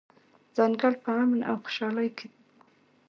ځنګل په امن او خوشحالۍ کې و.